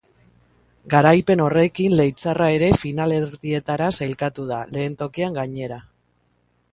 Garaipen horrekin leitzarra ere finalerdietara sailkatu da, lehen tokian, gainera.